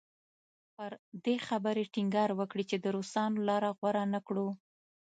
پر دې خبرې ټینګار وکړي چې د روسانو لاره غوره نه کړو.